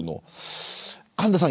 神田さん